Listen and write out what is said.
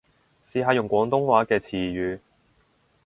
試下用廣東話嘅詞語